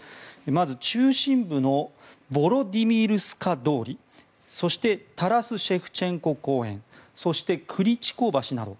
まず中心部のヴォロディミルスカ通りそしてタラス・シェフチェンコ公園そして、クリチコ橋など。